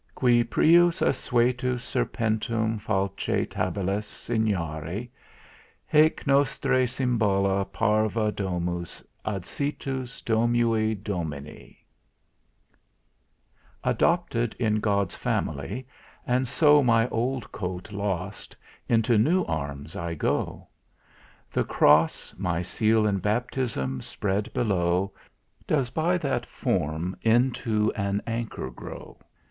_" "Qui prius assuetus serpentum falce tabellas Signare, hæc nostræ symbola parva domus, Adscitus domui Domini "Adopted in God's family, and so My old coat lost, into new Arms I go. The Cross, my Seal in Baptism, spread below, Does by that form into an Anchor grow.